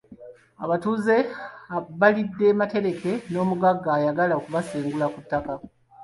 Abatuuze balidde matereke n’omugagga ayagala okubasenda ku ttaka.